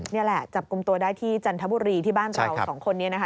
นี่แหละจับกลุ่มตัวได้ที่จันทบุรีที่บ้านเราสองคนนี้นะคะ